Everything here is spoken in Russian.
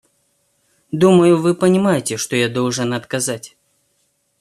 Думаю, вы понимаете, что я должен отказать.